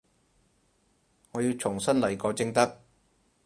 我要重新來過正得